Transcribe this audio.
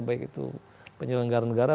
baik itu penyelenggara negara